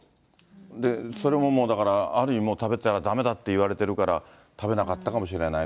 で、それももうだから、ある意味もう、食べたらだめだって言われてるから食べなかったかもしれない。